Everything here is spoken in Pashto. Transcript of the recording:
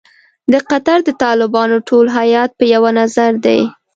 د قطر د طالبانو ټول هیات په یوه نظر دی.